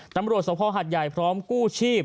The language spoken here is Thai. ตำรวจสภหัดใหญ่พร้อมกู้ชีพ